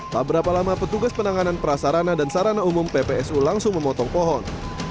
tak berapa lama petugas penanganan prasarana dan sarana umum ppsu langsung memotong pohon